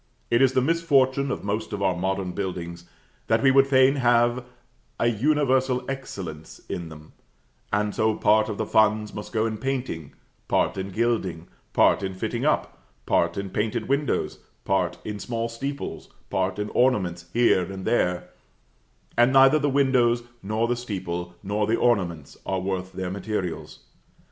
It is the misfortune of most of our modern buildings that we would fain have an universal excellence in them; and so part of the funds must go in painting, part in gilding, part in fitting up, part in painted windows, part in small steeples, part in ornaments here and there; and neither the windows, nor the steeple, nor the ornaments, are worth their materials.